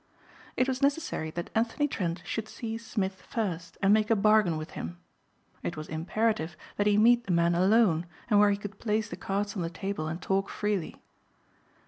It was necessary that Anthony Trent should see Smith first and make a bargain with him. It was imperative that he meet the man alone and where he could place the cards on the table and talk freely.